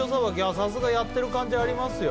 さすがやってる感じありますよ。